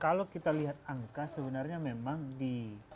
kalau kita lihat angka sebenarnya memang di